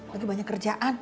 lagi banyak kerjaan